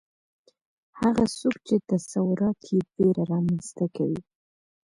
هغه څوک چې تصورات یې ویره رامنځته کوي